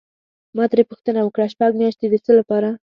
ما ترې پوښتنه وکړه: شپږ میاشتې د څه لپاره؟